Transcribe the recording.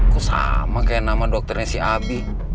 kok sama kayak nama dokternya si abi